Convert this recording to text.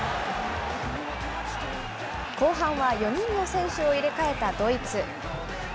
後半は４人の選手を入れ替えたドイツ。